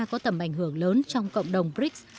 có tầm ảnh hưởng lớn trong cộng đồng brics